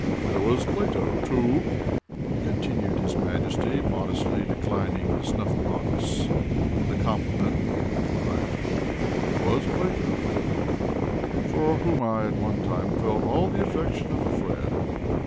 "There was Plato, too," continued his Majesty, modestly declining the snuff box and the compliment it implied—"there was Plato, too, for whom I, at one time, felt all the affection of a friend.